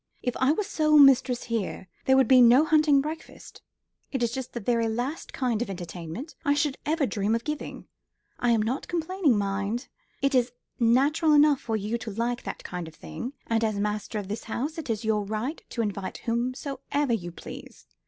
"If I were sole mistress here there would be no hunting breakfast. It is just the very last kind of entertainment I should ever dream of giving. I am not complaining, mind. It is natural enough for you to like that kind of thing; and, as master of this house, it is your right to invite whomsoever you please.